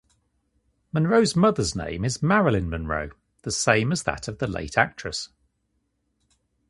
Monroe's mother's name is Marilyn Monroe, the same as that of the late actress.